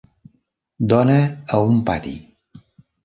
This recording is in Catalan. Dona a un pati.